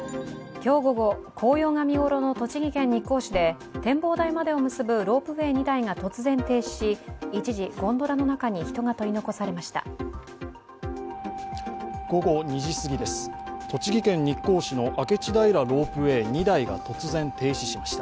今日午後、紅葉が見頃の栃木県日光市で展望台までを結ぶロープウエー２台が突然停止し、一時、ゴンドラの中に人が取り残されました。